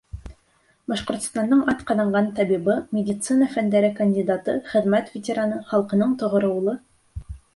Башҡортостандың атҡаҙанған табибы, медицина фәндәре кандидаты, хеҙмәт ветераны, халҡының тоғро улы...